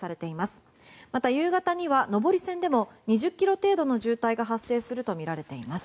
また夕方には上り線でも２０ｋｍ程度の渋滞が発生するとみられています。